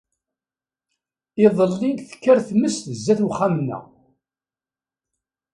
Iḍelli tekker tmes zzat uxxam-nneɣ.